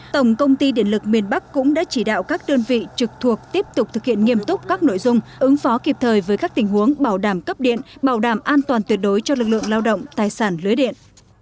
tổng công ty điện lực miền bắc cũng đã chỉ đạo các đơn vị trực thuộc tiếp tục thực hiện nghiêm túc các nội dung ứng phó kịp thời với các tình huống bảo đảm cấp điện bảo đảm an toàn tuyệt đối cho lực lượng lao động tài sản lưới điện